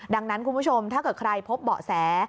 ดังนั้นคุณผู้ชมถ้าเกิดใครพบเบาะแส